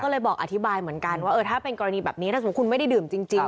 ก็เลยบอกอธิบายเหมือนกันว่าถ้าเป็นกรณีแบบนี้ถ้าสมมุติคุณไม่ได้ดื่มจริง